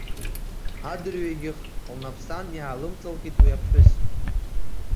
Адырҩегьых лнапы сан иаалымҵалкит уи аԥхәыс.